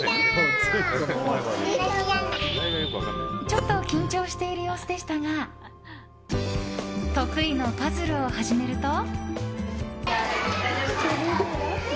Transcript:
ちょっと緊張している様子でしたが得意のパズルを始めると。